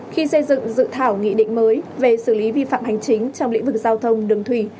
khi xây dựng dự thảo nghị định mới về xử lý vi phạm hành chính trong lĩnh vực giao thông đường thủy